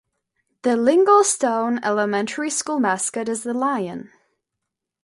The Linglestown Elementary School mascot is the Lion.